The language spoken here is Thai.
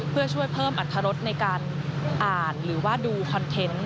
เพื่อช่วยเพิ่มอรรถรสในการอ่านหรือว่าดูคอนเทนต์